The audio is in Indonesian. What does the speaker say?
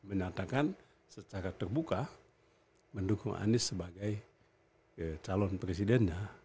menyatakan secara terbuka mendukung anies sebagai calon presidennya